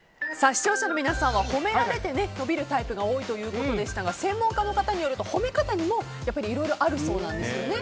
視聴者の皆さんは褒められて伸びるタイプが多いということでしたが専門家の方によると褒め方にもいろいろあるそうなんですよね。